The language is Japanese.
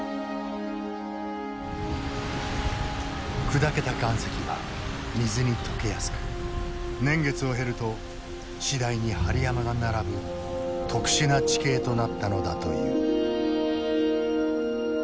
砕けた岩石は水に溶けやすく年月を経ると次第に針山が並ぶ特殊な地形となったのだという。